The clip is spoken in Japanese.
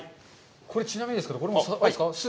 これ、ちなみにですけど、これもあれですか？